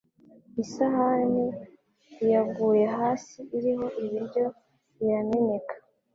Isahani yaguye hasi iriho ibiryo birameneka